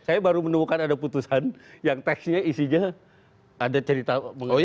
saya baru menemukan ada putusan yang teksnya isinya ada cerita mengenai